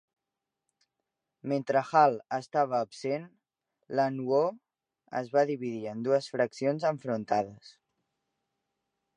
Mentre Hall estava absent, la nWo es va dividir en dues faccions enfrontades.